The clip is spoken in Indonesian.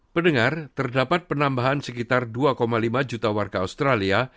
pendengar terdapat penambahan sekitar dua lima juta warga australia